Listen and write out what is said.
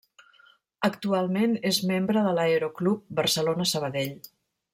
Actualment és membre de l'Aeroclub Barcelona-Sabadell.